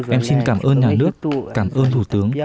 em xin cảm ơn nhà nước cảm ơn thủ tướng